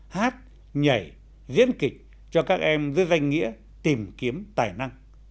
hát nhảy diễn kịch cho các em dưới danh nghĩa tìm kiếm tài năng